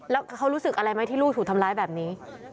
แล้วเขารู้สึกอะไรไหมที่ลูกถูกทำร้ายแบบนี้